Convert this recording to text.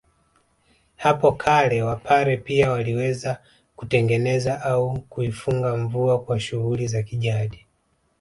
Hapo kale wapare pia waliweza kutengeneza au kuifunga mvua kwa shughuli za kijadi